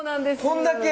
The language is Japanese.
こんだけ？